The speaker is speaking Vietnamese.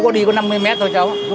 chú đi có năm mươi m thôi cháu